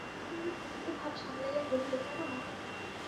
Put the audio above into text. মহেন্দ্র চকিত ভাব সামলাইয়া কহিল, কেন, মা।